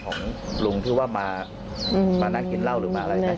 ของลุงที่ว่ามานานกินเหล้าหรืออะไรใช่ไหม